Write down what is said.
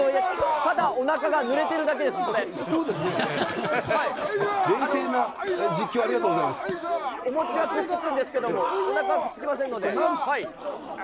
ただおなかがぬれてるだけです、冷静な実況、ありがとうござお餅はくっつくんですけれども、おなかはくっつきませんので。